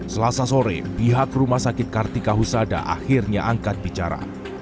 selasa sore pihak rumah sakit kartika husada akhirnya angkat bicara